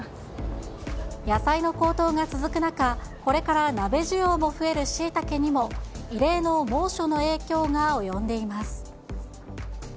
野菜の高騰が続く中、これから鍋需要も増えるシイタケにも、異例の猛暑の影響が及んでいます。